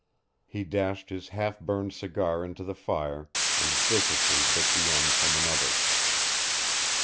He dashed his half burned cigar into the fire, and viciously bit the end from another.